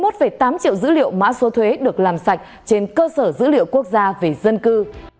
sáu mươi một tám triệu dữ liệu mã số thuế được làm sạch trên cơ sở dữ liệu quốc gia về dân cư